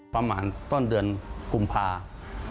ประมาณต้นเดือนกุมภาพันธ์